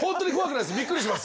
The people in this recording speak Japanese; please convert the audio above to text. びっくりします